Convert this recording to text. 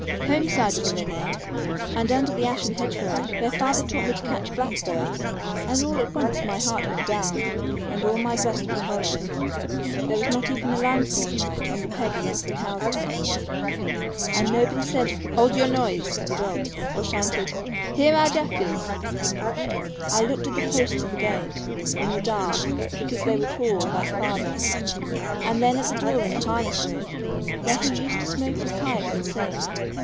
Home side of the linhay, and under the ashen hedge row, where father taught me to catch blackbirds, all at once my heart went down, and all my breast was hollow. There was not even the lanthorn light on the peg against the cow's house, and nobody said 'Hold your noise!' to the dogs, or shouted 'Here our Jack is!' I looked at the posts of the gate, in the dark, because they were tall, like father, and then at the door of the harness room, where he used to smoke his pipe and sing.